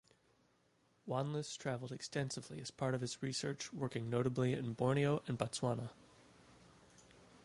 Wanless traveled extensively as part of his research working notably in Borneo and Botswana.